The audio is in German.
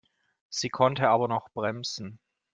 Sie konnte aber noch bremsen.